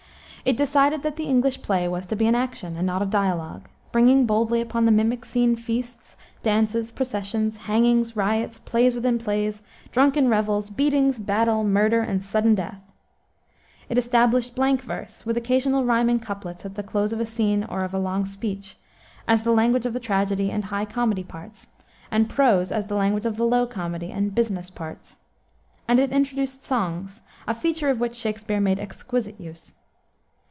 It decided that the English play was to be an action, and not a dialogue, bringing boldly upon the mimic scene feasts, dances, processions, hangings, riots, plays within plays, drunken revels, beatings, battle, murder, and sudden death. It established blank verse, with occasional riming couplets at the close of a scene or of a long speech, as the language of the tragedy and high comedy parts, and prose as the language of the low comedy and "business" parts. And it introduced songs, a feature of which Shakspere made exquisite use.